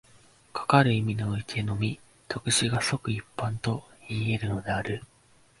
かかる意味においてのみ、特殊が即一般といい得るのである。